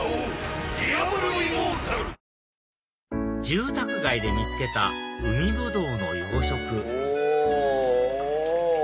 住宅街で見つけた海ぶどうの養殖お！